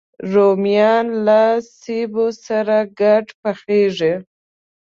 رومیان له سبو سره ګډ پخېږي